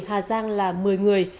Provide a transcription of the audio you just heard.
hà giang là một mươi người